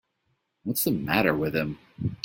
What's the matter with him.